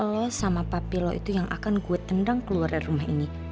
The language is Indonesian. lo sama papi lo itu yang akan gue tendang keluar dari rumah ini